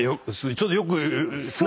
ちょっとよく。